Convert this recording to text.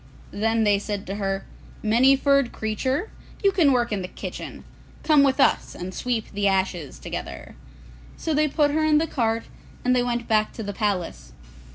Then they said to her, 'Many furred Creature, you can work in the kitchen; come with us and sweep the ashes together.' So they put her in the cart and they went back to the palace.